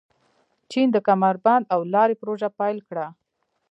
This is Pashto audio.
چین د کمربند او لارې پروژه پیل کړه.